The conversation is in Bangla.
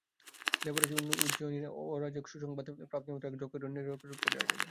দেবরাজ উজ্জয়িনীর অরাজক সংবাদ প্রাপ্তিমাত্র এক যক্ষকে রক্ষক নিযুক্ত করিয়া পাঠাইলেন।